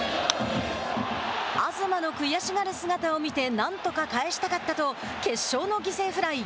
東の悔しがる姿を見てなんとか帰したかったと決勝の犠牲フライ。